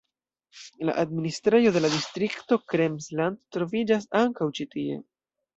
La administrejo de la distrikto Krems-Land troviĝas ankaŭ ĉi tie.